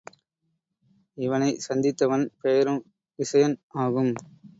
இவனைச் சந்தித்தவன் பெயரும் விசயன் ஆகும்.